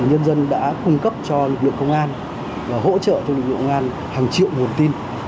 nhân dân đã cung cấp cho lực lượng công an và hỗ trợ cho lực lượng công an hàng triệu nguồn tin